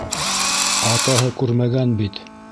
Атаһы күрмәгән бит.